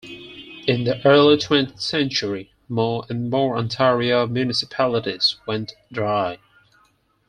In the early twentieth century, more and more Ontario municipalities went "dry".